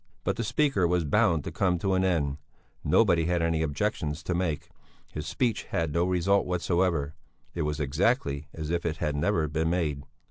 But the speaker was bound to come to an end; nobody had any objections to make; his speech had no result whatever; it was exactly as if it had never been made.